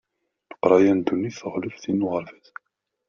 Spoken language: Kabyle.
Leqraya n ddunit teɣleb tin n uɣerbaz.